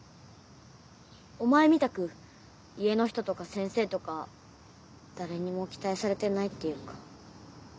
お前みたく家の人とか先生とか誰にも期待されてないっていうか。